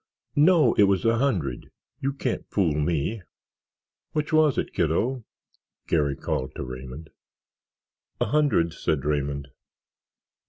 "No, it was a hundred—you can't fool me." "Which was it, kiddo?" Garry called to Raymond. "A hundred," said Raymond.